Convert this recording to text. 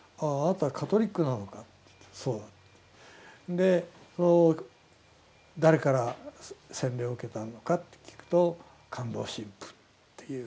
で「誰から洗礼を受けたのか」って聞くと「カンドウ神父」って言う。